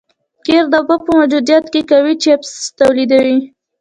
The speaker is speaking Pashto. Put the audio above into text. قیر د اوبو په موجودیت کې قوي چسپش تولیدوي